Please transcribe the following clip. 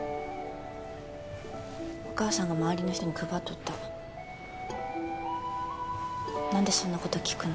お母さんが周りの人に配っとった何でそんなこと聞くの？